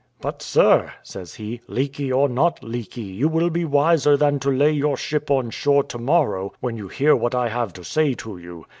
"But, sir," says he, "leaky or not leaky, you will be wiser than to lay your ship on shore to morrow when you hear what I have to say to you.